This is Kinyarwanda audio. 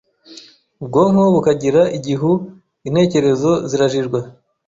ubwonko bukagira igihu, intekerezo zirajijwa,